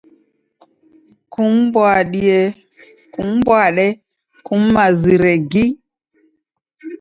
Kum'mbwade kum'mazire gi.